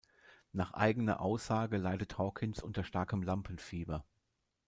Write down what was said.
Nach eigener Aussage leidet Hawkins unter starkem Lampenfieber.